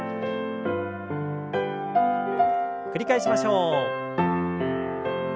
繰り返しましょう。